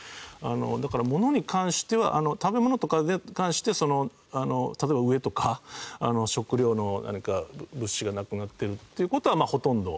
だから物に関しては食べ物とかに関してはその例えば飢えとか食料の物資がなくなってるっていう事はほとんど。